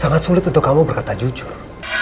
sangat sulit untuk kamu berkata jujur